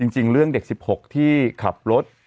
จริงเรื่องเด็ก๑๖ที่ขับรถ